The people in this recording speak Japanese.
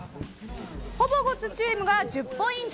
ほぼごっつチームが１０ポイント